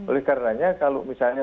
oleh karenanya kalau misalnya